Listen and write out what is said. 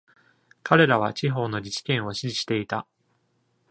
彼らは地方の自治権を支持していた。